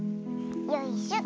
よいしょと。